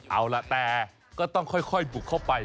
เอาล่ะแต่ก็ต้องค่อยบุกเข้าไป